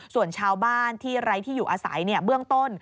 ส่วนชาวบ้านที่ไร้ที่อยู่อาศัยเบื้องต้น